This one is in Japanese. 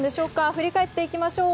振り返っていきましょう。